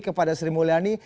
kepada sri mulyani